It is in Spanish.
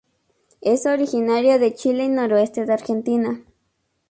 Es originaria de Chile y noroeste de Argentina.